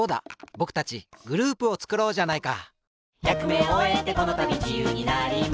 ぼくたちグループをつくろうじゃないか！